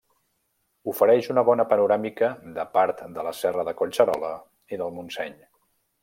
Ofereix una bona panoràmica de part de la serra de Collserola i del Montseny.